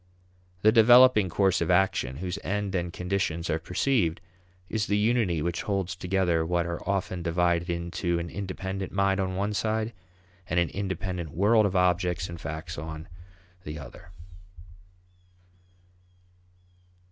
The developing course of action, whose end and conditions are perceived, is the unity which holds together what are often divided into an independent mind on one side and an independent world of objects and facts on the other.